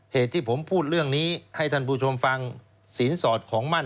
เหตุที่ผมพูดเรื่องนี้ให้ท่านผู้ชมฟังศีลสอดของมั่น